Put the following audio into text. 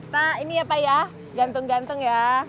nah ini ya pak ya gantung gantung ya